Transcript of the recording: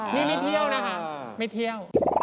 นี่ไม่เที่ยวนะคะไม่เที่ยว